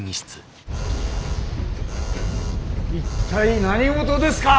一体何事ですか！